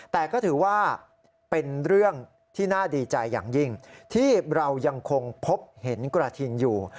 แต่ก็ถือว่าเป็นเรื่องที่น่าดีใจอย่างยิ่งที่เรายังคงพบเห็นกระทิงอยู่